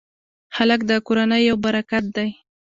هلک د کورنۍ یو برکت دی.